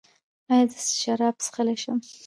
ایا زه شراب څښلی شم؟